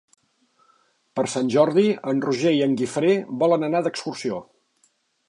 Per Sant Jordi en Roger i en Guifré volen anar d'excursió.